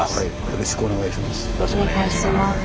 よろしくお願いします。